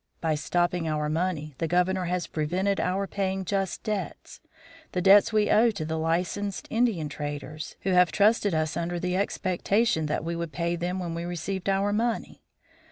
By stopping our money, the Governor has prevented our paying just debts, the debts we owe to the licensed Indian traders, who have trusted us under the expectation that we would pay them when we received our money.